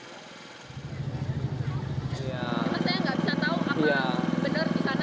saya tidak bisa tahu apakah benar di sana ada